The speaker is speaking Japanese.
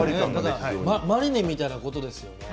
マリネみたいなものですね